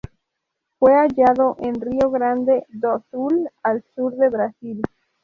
Fue hallado en Rio Grande do Sul, al sur de Brasil.